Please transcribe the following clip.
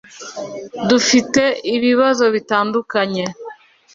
dufite ibibazo bitandukanye.